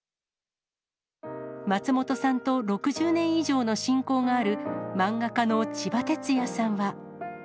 松本さんと６０年以上の親交がある漫画家のちばてつやさんは。